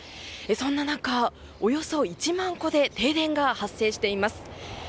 そんな中、およそ１万戸で停電が発生しています。